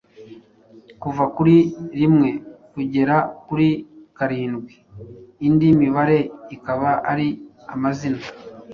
kuva kuri rimwe kugera kuri karindwi, indi mibare ikaba ari amazina.